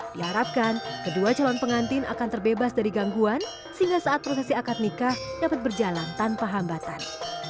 diharapkan kedua calon pengantin akan terbebas dari gangguan sehingga saat prosesi akad nikah dapat berjalan tanpa hambatan